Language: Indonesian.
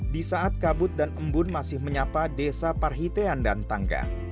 di saat kabut dan embun masih menyapa desa parhitean dan tangga